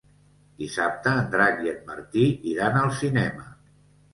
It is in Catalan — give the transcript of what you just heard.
Dissabte en Drac i en Martí iran al cinema.